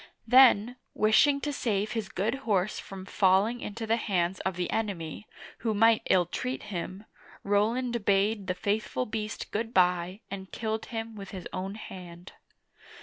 Then, wishing to save his good horse from falling into the hands of the enemy, who might illtreat him, Roland bade the faithful beast good by and killed him with his own hand.